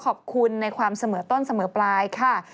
ขอบคุณในความเสมอต้นเสมอปลายค่ะ